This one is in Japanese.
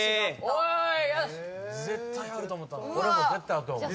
絶対あると思ったのに。